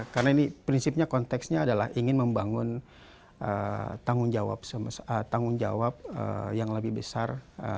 karena ini prinsipnya konteksnya adalah ingin membangun tanggung jawab yang lebih besar